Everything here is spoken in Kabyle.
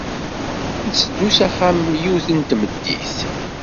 Ntteddu s axxam yiwet n tmeddit.